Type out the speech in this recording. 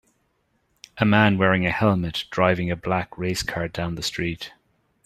A man wearing a helmet driving a black race car down the street